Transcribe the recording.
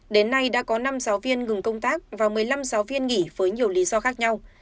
đến nay đã có năm giáo viên ngừng công tác và một mươi năm giáo viên nghỉ với nhiều lý do khác nhau